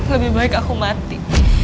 lebih baik aku mati